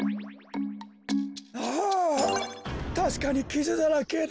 あたしかにキズだらけだ。